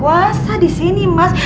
yang paling berkuasa disini mas